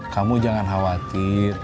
kamu jangan khawatir